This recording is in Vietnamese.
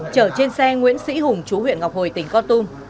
chở trên xe nguyễn sĩ hùng chú huyện ngọc hồi tỉnh con tum